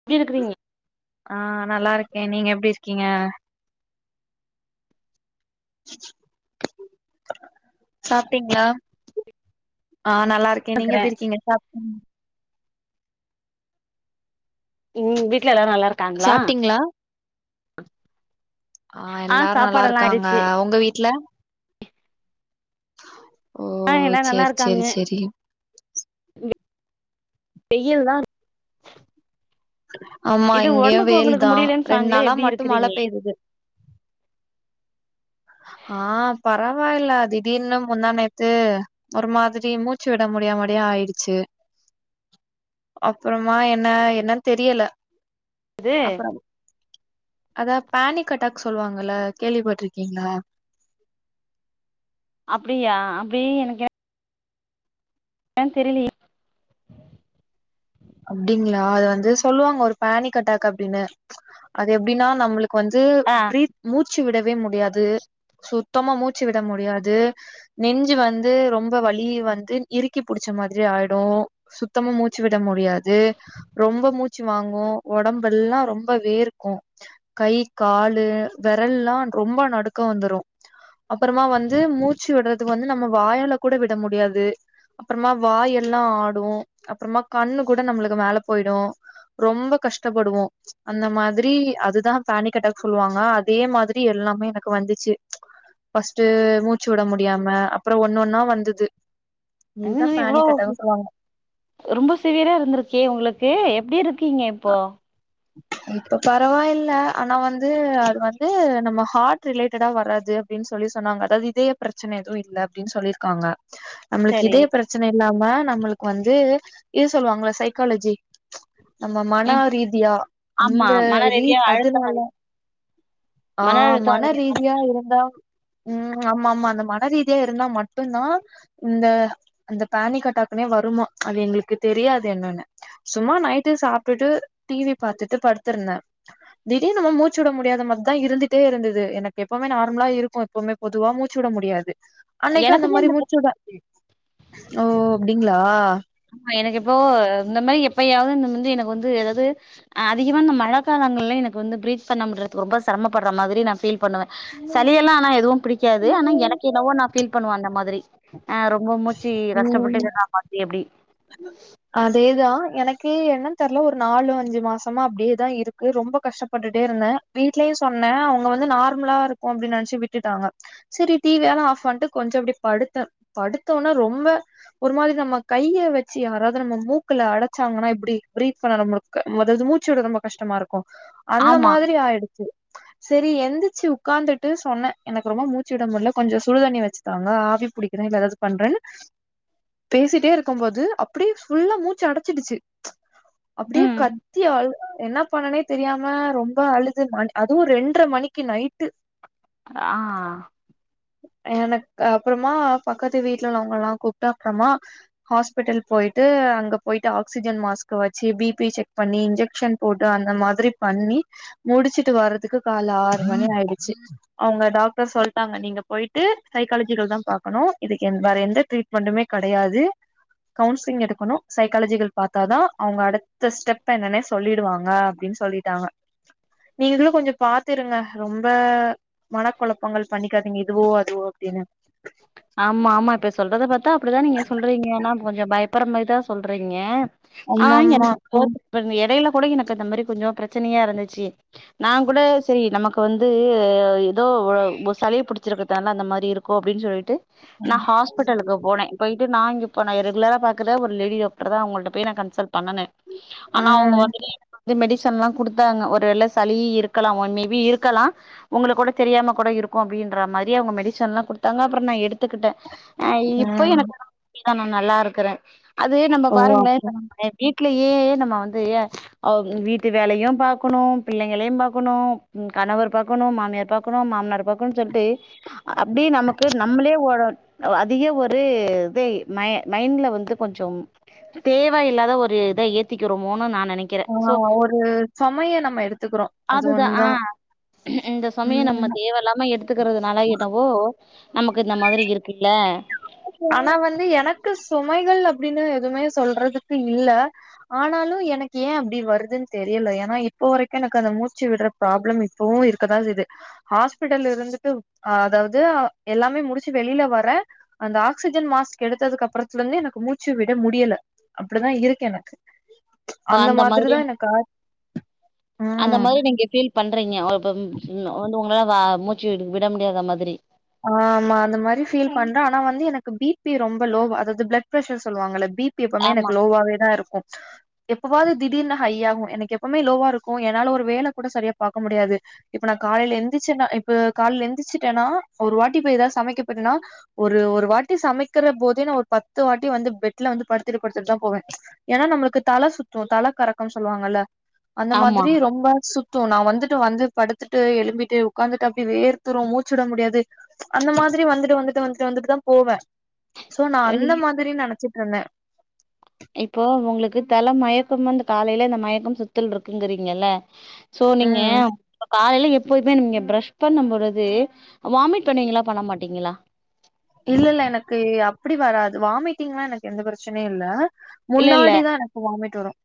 எப்படி இருக்கறீங்க ஆ நல்லா இருக்கேன் நீங்க எப்படி இருக்கீங்க சாப்பிட்டீங்களா ஆஹ் நல்லா இருக்கே நீ இருக்கறே எப்படி இருக்கீங்க சாப்ப உம் வீடல எல்லரும் நல்லா இருக்காங்களா சாப்ட்டீங்களா ஆஹ் ஆ எல்லாரும் நல்லா சாப்பாடெல்லா இருக்காங்க ஆயிடுச்சு உங்க வீட்டு்ல ஓ ஆஹ் எல்லாம் நல்லா சேரி சேரி இருக்காங்க சேரி வெயில் தான் ஆமா இது இங்கேயும் ஒடம்புக்கு வெயில் உங்களுக்கு தான் முடியலன்னு ரெண்டு சொன்னாங்களே நாளா எப்டி மட்டும் மழ இருக்கிறீங்க பெய்து ஆஹ் பரவாயில்ல திடீர்னு முன்னானேத்து ஒரு மாதிரி மூச்சு விட முடியாமடி ஆயிடுச்சு அப்புறமா என்ன என்னன்னு தெரியல இது அப்புறம் அதா பேனிட்க் ஆட்டாக் சொல்லுவாங்கல்ல கேள்விப்பட்டிருக் பாத்தீங்களா அப்படியா அப்படிய எனக்கு ஏ தெரியலே அப்படிங்களா அது வந்து சொல்லுவாங்க ஒரு பனிக் அட்டாக் அப்படின்னு அது எப்படின்னா நம்மளுக்கு வந்து ஆ பீத் மூ மூச்சு விடவே முடியாது சுத்தமா மூச்சு விட முடியாது நெஞ்சு வந்து ரொம்ப வலி வந்து இறுக்கி புடிச்ச மாதிரி ஆயிடும் சுத்தமா மூச்சு விட முடிய முடியாது ரொம்ப மூச்ச மூச்சு வாங்கோம் உடம்ப எல்லாம் ரொம்பல்லாம் வேர்க்கும் கை காலு விரல்லாம் ரொம்ப நடுக்க வந்துரும் அப்புறமா வந்து மூச்சு விடுறதுக்கு வந்து நம்ம வாயால கூட விட முடியாது அப்புறமா வாய எல்லாம் ஆடும் அப்புறமா கண்ணு கூட நம்மளுக்கு மேல போயிடும் ரொம்ப கஷ்டப்படுவோம் அந்த மாதிரி அதுதான் பேனிக் அட்டாக் சொல்லுவாங்க அதே மாதிரி எல்லாமே எனக்கு வந்துச்சு பஸ்ட்டு மூச்சு விட முடியாம அப்புறம் ஒன்னு ஒன்னா வந்தது இதுதா என்னங்க இவ்ளோ பேனிக் அட்டாக்னு சொல்லுவாங்க ரொம்ப சீவியர இருந்திருக்கே உங்களுக்கு எப்படி இரு குக்கிங்க இப்போ இப்ப பரவாயில்ல ஆனா வந்து அது வந்து நம்ம ஹார்ட் ரிலேட்டடா வராது அப்படின்னு சொல்லி சொன்னாங்க அதாவது இதய பிரச்சனை எதுவும் இல்லை அப்படின்னு சொல்லியிருக்காங்க நம்மளுக்கு சரி இதே பிரச்சனை இல்லாம நம்மளுக்கு வந்து இது சொல்லுவாங்கள சைக்காலஜி நம்ம மன ம் ரீதியா ஆமா அந்த மன ரீ ரீதியா அழுத்தம் அதனால அதிக ஆஹ் அழுத்தம் மன அதிகமா ரீதியா இருந்தா உம் ஆமா ஆமா அந்த மன மனரீதியா இருந்தா மட்டும்தான் இந்த அந்த பேனிக் அட்டாக்னே வருமா அது எங்களுக்கு தெரியாது என்னன்னு சும்மா நைட் விட்டு சாப்பிட்டுட்டு டிவி பார்த்துட்டு படுத்திருந்தேன் திடீர் நம்ம மூச்சு விட முடியாத மிரி தான் இருந்துட்டே இருந்தது எனக்கு எப்பவுமே நார்மலா இருக்கும் எப்பவுமே பொதுவா மூச்சு விட முடியாது அன்னைக்கு அந்த எனக்குமே மாரி மூச்சுட ஓ அப்டிங்களா ஆமா எனக்கு எப்போ இந்த மாதிரி எப்பயாவது இந்த வந்து எனக்கு வந்து ஏதாவது அதிகமா இந்த மழை காலங்கள்ல எனக்கு வந்து பிரீத் பண்ண முடியாது ரொம்ப சிரமப்படுற மாதிரி நான் பீல் பண்ணுவேன் சளியெல்லாம் ஆனா எதுவும் பிடிக்காது ஆனா எனக்கு என்னவோ நான் ஃபீல் பண்ணுவன் அந்த மாதிரி ஆ் ரொம்ப மூச்சு ம் கஷ்டப்பட்டு மாரி எப்படி எனக்கு என்னன்னு தெரல ஒரு நாலு அஞ்சு மாசமா அப்படியேதான் இருக்கு ரொம்ப கஷ்டப்பட்டுட்டே இருந்தேன் வீட்லயும் சொன்னேன் அவங்க வந்து நார்மலா இருக்கும் அப்படின்னு நினைச்சு விட்டுட்டாங்க சரி டிவி எல்லாம் ஆஃப் பண்ணிட்டு கொஞ்சம் அப்படி படுத்தேன் படுத்தோனா ரொம்ப ஒரு மாதிரி நம்ம கைய யாராவது நம்ம மூக்கல அடைச்சாங்கன்னா இப்படி பிரீத் பண்ண நம அதாவது மூச்சோட ரொம்ப கஷ்டமா இருக்கும் அந்த ஆமா மாரி ஆயிடுச்ச சரி எந்திரச்சு உட்கார்ந்துட்டு சொன்னேன் எனக்கு ரொம்ப மூச்சுட முடல கொஞ்சம் சுடுதண்ணி வச்சு தாங்க ஆவி பிடிக்கிறேன் இல்ல ஏதாவது பண்றேன்னு பேசிட்டே இருக்கும்போது அப்படியே ஃபுல்லா மூச்சு அடச்சிருச்சி அப்படியே ம் கத்தி ஆளுவ என்ன பண்ணனே தெரியாம ரொம்ப அழுது அதுவும் ரெண்ர மணிக்கு நைட்டு ஆஹ் எனக்கு அப்புறமா பக்கத்து வீட்டுல உள்ளவங்க எல்லாம் கூப்பிட்டா அப்புறமா ஹாஸ் பட்டல் போயிட்டு அங்க போயிட்டு ஆக்சிஜன் மாஸ்க்க வச்சு பிபி செக் பண்ணி இன்ஜெக்ஷன் போட்டு அந்த மாதிரி பண்ணி முடிச்சுட்டு வர்றதுக்கு கால ஆறு மணி ஆயிடுச்சு அவங்க டாக்டர் சொல்லிட்டாங்க நீங்க போயிட்டு சைக்காலஜிக தான் பாக்கணும் இதுக்கு வேற எந்த ட்ரீட்மெண்டுமே கிடையாது கவுன்சிலிங் எடுக்கணும் சைக்காலஜிகள் பார்த்தாதான் அவங்க அடுத்த ஸ்டெப் என்னன்னே சொல்லிடுவாங்க அப்படின்னு சொல்லிட்டாங்க நீங்களும் கொஞ்சம் பாத்துருங்க ரொம்ப மன குழப்பங்கள் பண்ணிக்காதீங்க இதுவோ அதுவோ அப்படின்னு ஆமா ஆமா இப்ப சொல்றதை பாத்தா அப்படிதான் நீங்க சொல்றீங்க ஆனா கொஞ்சம் பயப்படுற மாதிரிதான் சொல்றீங்க ஆஹ் ஆமாமா எனக்கு இடையில கூட எனக்கு மாதிரி கொஞ்ச பிரச்சனையா இருந்துச்சு ந கூட சரி நமக்கு வந்து ஏதோ சளி பிடிச்சிருக்கிறதுன அந்த மாதிரி இருக்கும் அப்படின் சொல்லிட்டு நான் ஹாஸ்பிட்டலுக்கு போனேன் போயிட்டு நான் இங்க இப்ப நான் ரெகுலரா பாக்குற ஒருலேடி டாக்டர் தான் அவங்கள்கிட்ட நான்கன்சல் பண்ணுனேன் ஆனா அவங்க ம் வந்துட்டு மெடிசன் எல்லாம் குடுத்தாங்க ஒருவேலை சளி இருக்கலாம் ஒன் மேபி இருக்கலாம் உங்களுக்கு கூட தெரியாம கூட இருக்கும் அப்படின்ற மாதிரி அவங்க மெடிசன் எலாம் தங்க அப்புறம் நான் எடுத்து எத்துக்கிட்டேன் ஹ்க் இப்போ ம் எனக்கு நான் நல்லா இருக்குறேன் அது நம்ம ஓ பாருங்களேன் அப்ப வீட்ல வீட்லயே நம்ம வந்து வீட்டு வேலையும் பார்க்கணும் பிள்ளைங்களையும் பார்க்கணும் கணவர் பார்க்கணும் மாமியார் பார்க்கணும் மாமனார் பார்க்கணும்னு சொல்லிட்டு அப்டியே நமக்கு நம்மளே அதிக ஒரு இத மைண்ட்ல வந்து கொஞ்சம் தேவ இல்லாத ஒரு இதை ஏத்திக்கிறோமோனு நான் நினைக்கிறேன் ஆ சோ ஒரு சுமைய நம்ம எடுத்துக்கிறோம் அது அதுதான்ஹ ஒண்ணுதான் இந்த சமயம் ம் நம்ம தேவ இலாம எடுத்துக்கிறதுனால என்னவோ நமக்கு இந்த மாதிரி இருக்கு ஆனா வந்து எனக்கு சுமைகள் அப்டின்னு எதுவுமே சொல்றதுக்கு இல்ல ஆனாலும் எனக்கு ஏன் அப்டி வருதுன்னு தெரியல ஏன்னா இப்போ வரக்கும் எனக்கு அந்த மூச்சு விடுற ப்ராப்ளம் இப்பவும் இருக்கதான் இது ஹாஸ்பிடல் இருந்துட்டு அதாவது எல்லாமே முடிச்சி வெளியில வர அந்த ஆக்சிஜன் மாஸ்க் எடுத்ததுக்கு அப்பறத்துல இருந்து எனக்கு மூச்சு விட முடியல அப்டிதான் இருக்கு எனக்கு அந்த மாதிரி மாதிரிதா எனக்கு அந்த ம் மாரி நீங்க ஃபீல் பண்றீங்க அது உங்கள மூச்சு விட முடியாத மாதிரி ஆமா அந்த மாதிரி ஃபீல் பண்றேன் ஆனா வந்து எனக்கு பிபி ரொம்ப லோவ அதாவது பிளட் ப்ரெஷர் சொல்லுவாங்க பிபி பிபி எப்பவுமே ஆமா எனக்கு லோவாவே தான் இருக்கும் எப்பவாவது திடீர்னு ஹையாகும் எனக்கு எப்பவுமே லோவா இருக்கும் என்னால ஒரு வேல கூட சரியா பாக்க முடியாது இப்ப நான் காலயில எந்திரிச்சேன்னா இப்ப காலையில எந்திரிச்சிட்டேனா எந்திச்சுிட்டேன்னா ஒரு வாட்டி போய் ஏதாவது சமைக்க பேய்ட்டேனா ஒரு வாட்டி சமைக்கிற போதே நான் ஒரு பத்து வாட்டி வந்து பெட்ல வந்து படுத்துட்டு படுத்துட்டு தான் போவேன் ஏன்னா நம்மளுக்கு தல சுத்தும் தல கறக்கம்னு சொல்லுவாங்கல்ல அந்த ஆமா மாதிரி ரொம்ப சுத் நான் வந்துட்டு வந்து படுத்துட்டு எழும்பிட்டு உட்காந்துட்டு அப்டியே வேத்தூரும் மூச்சுவிட முடியாது அந்த மாரி வந்துட்டு வந்துட்டு வந்துட்டு வந்துட்டு தான் போவேன் சோ நான் அந்த மாதிரி நைச்சு என்ன இப்போ உங்களுக்கு தல மயக்கம் அந்த காலயில இந்த மயக்கம் சுத்துல் இருக்குங்கிறீங்கல சோ நீங்க ம் காலயில எப் எப்போலுதுமே நீங்க பிரஷ் பண்ணும் போழுது வாமிட் பண்ணுவீங்களா பண்ண மாட்டீங்களா இல்ல இல்ல எனக்கு அப்டி வராது வாமிட்டிங் எல்லாம் எனக்கு எந்த பிரச்சனையும் இல்ல இல்ல இல்ல முன்னாடிதான் எனக்கு வாமிட் துறோம்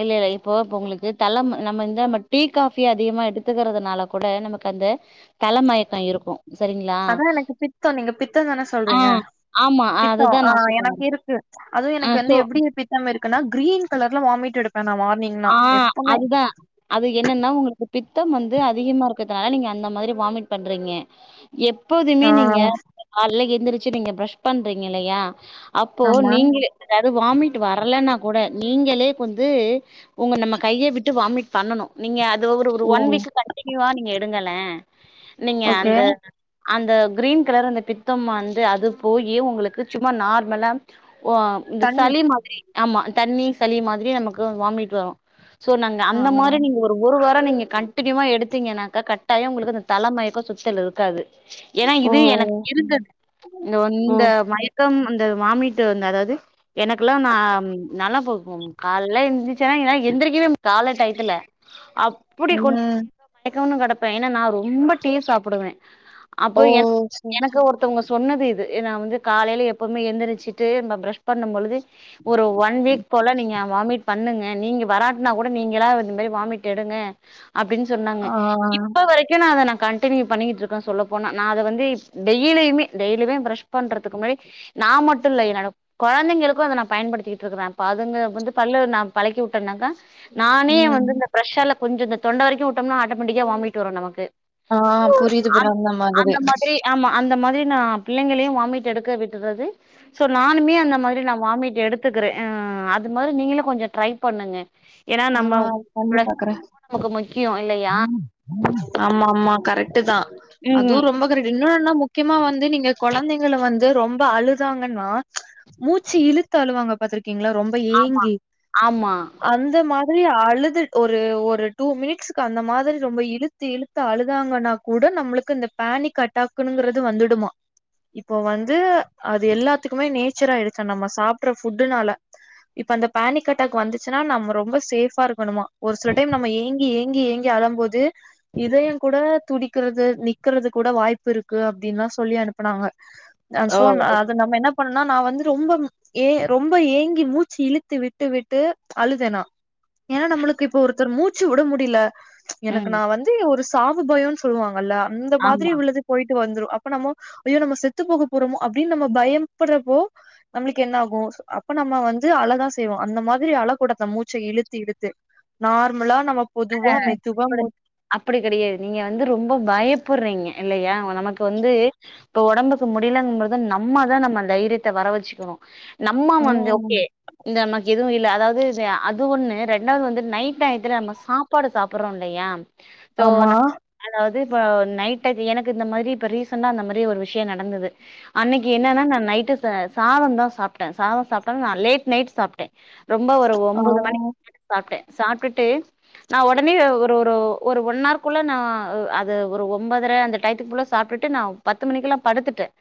இல்ல இல்ல இப்போ உங்களுக்கு தலை நம்ம இந்த நம்ம டீ காஃபி அதிகமா எடுத்துக்குறதுனால கூட நமக்கு அந்த தல மயக்கம் இருக்கும் சரிங்களா அதான் எனக்கு பித்தம் நீங்க பித்தம் தானே ஆ சொல்றீங்க ஆமா பித்தம் அதுதா நா ஆஹ் சொல்ல எனக்கு வரே இருக்கு அதுவும் ஆ எனக்கு வந்து சோ எப்புடி பித்தம் இருக்கு னா கிரீன் கலர்ல வாமிட்டு எடு ஆஹ் அதுதான் அது என்னனா உங்களுக்கு பித்தம் வந்து அதிகமா இரு க்குறதுனால நீங்க அந்த மாரி வாமிட் பண்றீங்க எப்போதுமே ஆ நீங்க காலயில எட்டு எந்துருச்சி நீங்க ப்ரஷ் பண்றீங்க இல்லயா அப்போ ஆமா நீங்களே அதாவது வாமிட் வரலன்னா கூட நீங்களே வந்து உங்க நம்ம கையை விட்டு வாமிட் பண்ணணும் நீங்க ஒரு ஓ ஒன் வீக் கன்டினுயூவா நீங்க எடுங்கலே நீங்க ஓகே அந்த அந்த கிரீன் கலர் அந்த பித்தம் வந்து அது போயி உங்களுக்கு சும்மா நார்மலா ஓ இந்த தண்ணி சளி மாதிரி ஆமா தண்ணி சளி மாரி நமக்கு வாமிட் வரும் ஹாக் சோ நாங்கள் ஆ அந்த மாதிரி நீங்கள் ஒரு ஒரு வாரம் நீங்கள் கண்டினியூவ எடுத்தீங்க நா கட்டாயம் உங்களுக்கு அந்த தல மயக்கம் சுத்தல் இருக்காது ஏன்னா ஓ இது எனக்கு இருந்தது இந்த ஒரு ஓ இந்த மயக்கம் இத்த வாமிட்டு வந்த அதாவது எனக்கெல்லாம் நல்லா போக்கும் கால இருந்துச்சன்னா எந்திரிக்கனும் கால டயத்துல அப்படி கொஞ ம் பய மய [inaudible] கிடப்பேன் ஏன்னா நான் ரொம்ப டீ சாப்பிடுவேன் ஓ அப்ப என சே எனக்கு ஒருத்தவங்க சொன்னது இது நான் வந்து காலையில் எப்போவுமே எழுந்திரிச்சிட்டு நம்ம ப்ரெஷ் பண்ணும்பொழுது ஒரு ஒன் வீக் போல நீங்க வாமிட் பண்ணுங்க நீங்க வராட்டன்னா கூட நீங்களா இந்த மாரி வாமிட் எடுங்க அப்படின்னு சொன்னாங்க ஆ இப்ப வரைக்கும் நான் அத கண்டினியூ பண்ணிக்கிட்டு இருக்கே சொல்ல போனா நான் அத வந்து டெய்லயுே டெய்லயுே பிரஷ் பண்றதுக்கு முன்னாடி நான் மட்டும் இல்ல என்னோட குழந்தைகக்கும் அத நான் பயன்படுத்தி இருக்கேன் அதுங்கந்து பால்லு நான் அப்டின்னக்கா நானே ம் வந்து இந்த பிரஷால கொஞ்சம் இந்த தொண்டரைக்கும் விட்டம்னா ஆட்டோமட்டிக்காக வாமமிட் வரும் நமக்கு ஆஹ் புரியுது புற அந்த மாதிரி நான் பிள்ளைங்களையும் வாமிட் எடுக்க விட்டுற நானுமே அந்த மாதிரி நான் வாட் எடுத்துக்கிறேன் அது மாதிரி நீங்களும் கொஞ்சம் ட்ரை பண்ணுங்க ஏன்னா நம்ம ஆஹ் பண்ணி பாக்குறேன் நமக்கு முக்கியோ இல்லையா ஆமா ஆமா கரெக் ட்தான் ம் அதுவும் ரொம்ப கரெக்ட் இன்னொன்ன என்ன முக்கியமா வந்து நீங்க குழந்தைங்கல வந்து ரொம்ப அழுதாங்கன்னா மூச்சு இழுத்து அழுவாங்க பாத்த பத்தீங்களா ரொம்ப ஏங்கி ஆமா அந்த மாரி அழுது ஒரு ஒரு டூ மினிட்க்கு அந்த மாதிரி ரொம்ப இழுத்து இழுத்து அழுதாங்கன்னா கூட நம்மளுக்கு இந்த பேனிக் அட்டாங்கிறது வந்துடுமா இப்ப வந்து அது எல்லாத்துக்குமே நேச்சர் ஆயடுச்ச நம்ம சாப்படுறனால இப்ப அந்த பேனிக் அட்டாக் வந்துச்சுன்னா நம்ம ரொம்ப சேஃபா இருக்கணுமா ஒரு சில டைம் நம்ம ஏங்கிஏங்கி இங்கி எங்கி அளும் போது இதயம் கூட துடிக்குறது நிக்கறது கூட வாய்ப்பு இருக்கு அப்டின்னு எல்லாம் சொல்லி அனுப்புனாங்க அ ஓ சோ ஓ அது நம்ம என்ன இது நான் வந்து ரொம்ப ஏன் ரொம்ப ஏங்க மூச்சு இழுத்து விட்டு விட்டு அழுதனா ஏன்னா நம்மளுக்கு இப்ப ஒரு ஒரு மூச்சு விட முடியல எனக்கு ம் நான் வந்து ஒரு சாவுபயம்ன்னு சொல்லுவாங்கல்ல அந்த மாதிரி ஆமா உள்ளது போயிட்டு வந்துரும் அப்ப நம்ம யோ நம்ம செத்து போக போறோமோ அப்படின்னு நம்ம பயபடுறப்போ நம்மளுக்கு என்ன ஆகும் அப்ப நம்ம வந்து அழதான் செய்வோம் அந்த மாதிரி அழ கூட மச்ச இழுத்தி இடுத்து நார்மலா நம்ம ஹ பொதுவா மெதுவா மூ அப்படி கிடையாது நீங்க வந்து ரொம்ப பயப்புடுறீங்க இல்லையா நமக்கு வந்து இப்ப உடம்புக்கு முடியலங்கபதான் நம்மதான் நம்ம தைரியத்தை வர வச்சுக்கணும் நம்ம வந்து ம் ஓகே இந்த நமக்கு எதுவும் அதாவது அது ஒண்ணு ரெண்டாவது வந்து நைட் டயத்தில் நம்ம சாப்பிட சப்பாடு சாப்பிடடுறோம் இல்லையா சோ ஆமா அதாவது இப்ப நைட் எனக்கு இந்த மாதிரி இப்ப ரீசண்டா அந்த மாதிரி ஒரு விஷயம் நடந்தது அன்னைக்கு என்னன்னா நான் நைட்டு சாதம் தான் சாப்பிட்டேன் சாதம் சாப்பிட்டா நான் லேட் நைட் சாப்பிட்டேன் ரொம்ப ஒரு ஆ ஒம்பது மணிக்கு சாப்பிட்டேன் சாப்பிட்டுட்டு நான் உடனே ஒரு ஒரு ஒரு ஒன் ஹருகுள்ளே நான் அது ஒரு ஒன்ம்பதரை அந்த டையத்துக்குள்ளே சாப்டுட்டுட்டு நான் பத்து மணிக்கெல்லாம் படுத்துட்டேன்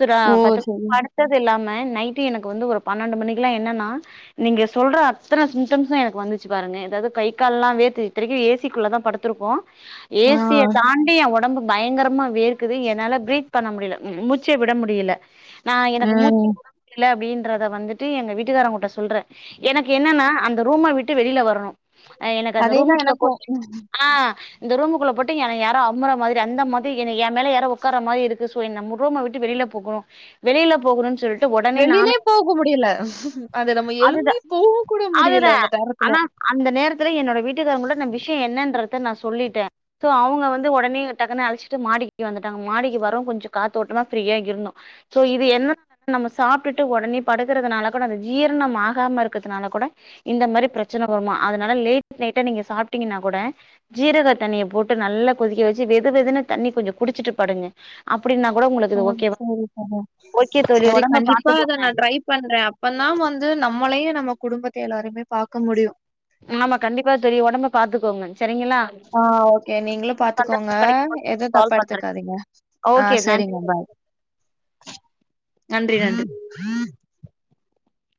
சரா ஓ பத்த சரி பதல நைட் எனக்கு வந்து ஒரு பன்னெண்டு மணில்லாம் என்னன்னா நீங்க சொல்ற அத்தனை சிம்டம்ஸ் எனக்கு வந்துச்சி பாருங்க அதாவது கை கால்ல்லாம் வேர்த்து இத்தனைக்கும் ஏசிக்குள்ள தான் பத்துருக்கோம் ஆ ஏசிய தாண்டி என் உடம்பு பயங்கரமா வேக்குது என்னால பிரீத் பண்ண முடியல முடிச்ச விட முடியல நான் எனக்கு ம் மூச்சுட முடியல அப்படின்னு தை வந்துட்டு எங்க வீட்டுக்காரன் கிட்ட சொல்ற எனக்கு என்னன்ன அந்த ரூமை விட்டு வெளியில வரணும் அந்த அதேதா ரூமுக்குள்ள எனக்கு போட்டு ஆஹ் இந்த ரூமுக்குள்ள போட்டு யார அமுற மாதிரி அந்த மாதிரி என் மேல யார உட்காருர மாதிரி இருக்கு நா ரூம்மை விட்டு வெளியில போகணும் வெளில போகணும்னு சொல்லிட்டு வெளியிலயே போக முடியல அதை நம்ம எலும்பி அதுதா போக கூட முடியல அந்த நேரத்துல என்னுடைய வீட்டுக்காரங்க கூட நான் விஷயம் என்னன்றத நான் சொல்லிட்டேன் சோ அவங்க வந்து உடனே டக்குன்னு அழிச்சிட்டு மாடிக்கு வந்துட்டாங்க மாடிக்கு வர கொஞ்சம் காத்தோட்டமா ஃப்ரீயா இருந்தோம் சோ இது என்ன நம்ம சாப்பிட்டு உடனே படு இருறதுனால கூட அந்த ஜீரணம் ஆகாம இருக்கிறதுனால கூட இந்த மாதிரி பிரச்சனை வருமா அ நா லேட் நைட்டு நீங்க சாப்பிட்டீங்கன்னா கூட ஜீரகா தண்ணிய போட்டு நல்லா கொதிக்க வச்சு வெது வெதுன்னு தண்ணி கொஞ்சம் குடிச்சுட்டு பாடுங்க ஆஹ சரி ச ஓகே தோழி சரி ஒடம்ப கண்டிப்பா அத பாத்துக்கோங்க நான் ட்ரை பண்றேன் அப்ப தான் வந்து நம்மளயே நம்ம குடும்பத்தை எல்லாருமே பாக்க முடியும் ஆமா கண்டிப்பா தெரியும் உடம்ப பாத்துக்கோங்க சரிங்களா ஆ ஓகே நீங்களும் பாத்துக்கோங்க சந்தர்ப்பம் கெடைக்கும் போது எதுவும் தப்ப கால் பண்றே எடுத்துக்காதீங்க ஆ ஓகே நன்றி சரிங்க பாய் நன்றி நன்றி